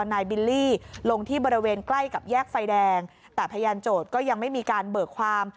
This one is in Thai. บิลลี่ลงที่บริเวณใกล้กับแยกไฟแดงแต่พยานโจทย์ก็ยังไม่มีการเบิกความ